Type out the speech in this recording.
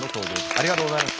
ありがとうございます